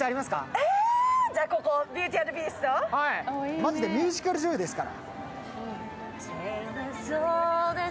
マジでミュージカル女優ですから。